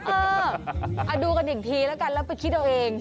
เออเอาดูกันอีกทีแล้วกันแล้วไปคิดเอาเอง